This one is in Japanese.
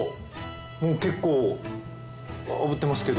もう結構炙ってますけど。